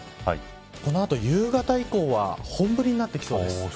この後、夕方以降は本降りになってきそうです。